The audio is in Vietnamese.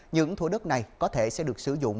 những thủ đất này có thể sẽ được sử dụng